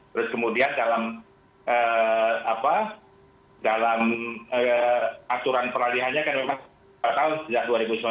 terus kemudian dalam aturan peralihannya kan memang tahun sejak dua ribu sembilan belas